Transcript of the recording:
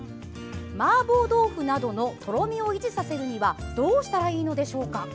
「マーボー豆腐などのとろみを維持させるにはどうしたらいいのでしょうか？